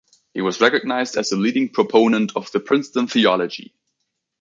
He was recognized as the leading proponent of the Princeton theology.